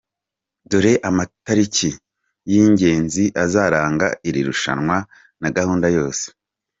Dore amatariki y’ingenzi azaranga iri rushanwa na gahunda yose :.